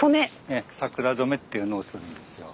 ええ桜染めっていうのをするんですよ。